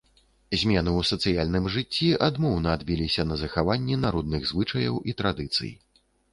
Змены ў сацыяльным жыцці адмоўна адбіліся на захаванні народных звычаяў і традыцый.